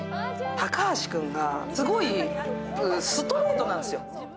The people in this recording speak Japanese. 高橋君がすごいストレートなんですよ。